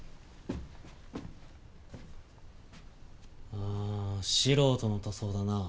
ああ素人の塗装だな。